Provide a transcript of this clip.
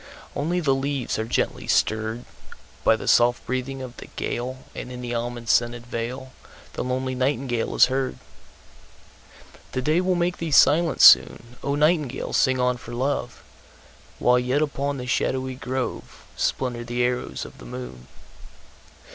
Only the leaves are gently stirredBy the soft breathing of the gale, And in the almond scented valeThe lonely nightingale is heard. The day will make thee silent soon,O nightingale sing on for love! While yet upon the shadowy groveSplinter the arrows of the moon.